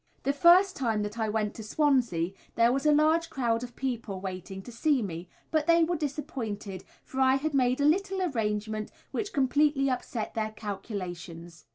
The first time that I went to Swansea there was a large crowd of people waiting to see me, but they were disappointed, for I had made a little arrangement which completely upset their calculations.